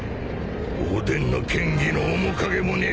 おでんの剣技の面影もねえ